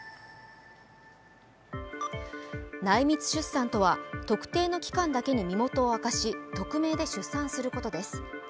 内密出産とは、特定の機関だけに身元を明かし、匿名で出産することです。